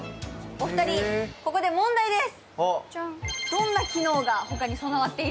お二人、ここで問題です。